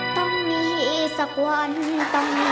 ต้องมีสักวันต้องมีสักคน